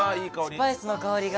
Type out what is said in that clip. スパイスの香りが。